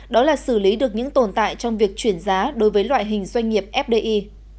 đó là xử lý được những tồn tại trong việc chuyển giá đối với loại hình doanh nghiệp fdi